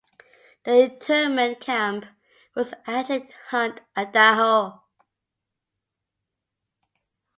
The internment camp was actually in Hunt, Idaho.